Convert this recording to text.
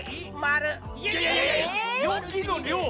え⁉「よき」のりょう！